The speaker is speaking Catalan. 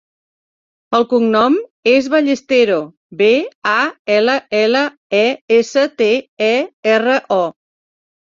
El cognom és Ballestero: be, a, ela, ela, e, essa, te, e, erra, o.